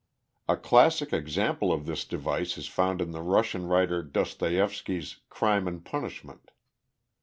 A classic example of this device is found in the Russian writer Dostoieffsky's "Crime and Punishment."